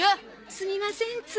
すみませんつい。